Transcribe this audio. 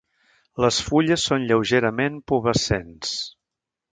Les fulles són lleugerament pubescents.